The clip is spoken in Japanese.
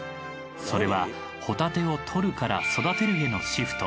それはホタテを獲るから育てるへのシフト。